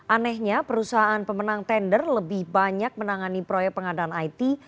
anehnya perusahaan pemenang tender lebih banyak menangani proyek pengadaan it